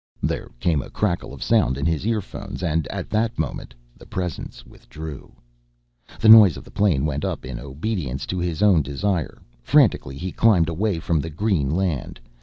There came a crackle of sound in his earphones and at that moment the Presence withdrew. The nose of the plane went up in obedience to his own desire. Frantically he climbed away from the green land.